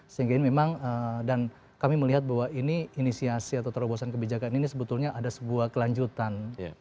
sehingga ini memang dan kami melihat bahwa ini inisiasi atau terobosan kebijakan ini sebetulnya ada sebuah kelanjutan